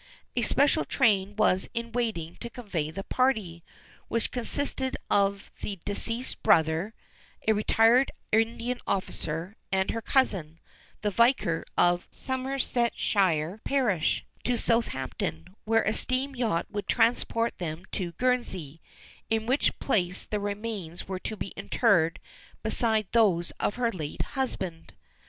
A special train was in waiting to convey the party, which consisted of the deceased's brother, a retired Indian officer, and her cousin, the vicar of a Somersetshire parish, to Southampton, where a steam yacht would transport them to Guernsey, in which place the remains were to be interred beside those of her late husband.